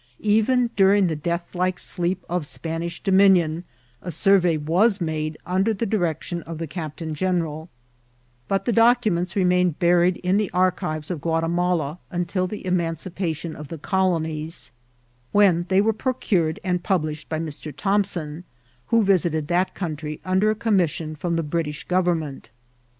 Even during the deathlike sleep of Spanish dominion a surrey was nude under the direction of the captain general ; but the documents remained buried in the archives of Guati mala until the emancipation of the colonies, when they were procured and published by Mr. Thomson, who viiited that country under a conunission from the British government.